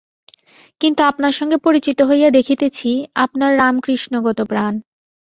কিন্তু আপনার সঙ্গে পরিচিত হইয়া দেখিতেছি, আপনার রামকৃষ্ণগত প্রাণ।